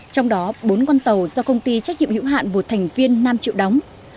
trong đó bốn con tàu do công ty trách nhiệm hiệu hạn bộ thành viên năm triệu đóng